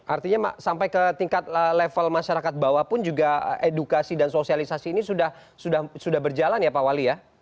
artinya sampai ke tingkat level masyarakat bawah pun juga edukasi dan sosialisasi ini sudah berjalan ya pak wali ya